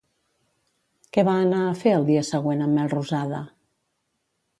Què va anar a fer el dia següent en Melrosada?